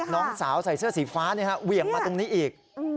น้องสาวใส่เสื้อสีฟ้าเหวี่ยงมาตรงนี้อีก